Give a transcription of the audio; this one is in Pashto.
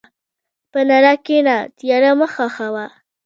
په رڼا کښېنه، تیاره مه خوښه وه.